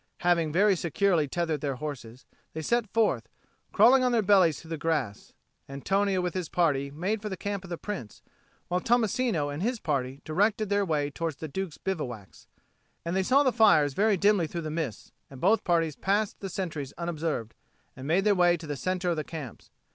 Having very securely tethered their horses, they set forth, crawling on their bellies through the grass. Antonio with his party made for the camp of the Prince, while Tommasino and his party directed their way towards the Duke's bivouacs. And they saw the fires very dimly through the mist, and both parties passed the sentries unobserved, and made their way to the centre of the camps.